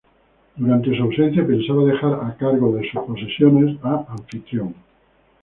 Durante su ausencia pensaba dejar al cargo de sus posesiones a Anfitrión.